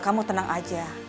kamu tenang aja